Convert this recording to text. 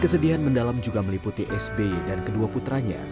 kesedihan mendalam juga meliputi sby dan kedua putranya